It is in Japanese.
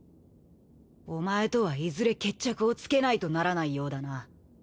お前とはいずれ決着をつけないとならないようだな。